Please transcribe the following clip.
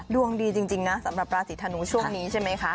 ดวงดีจริงนะสำหรับราศีธนูช่วงนี้ใช่ไหมคะ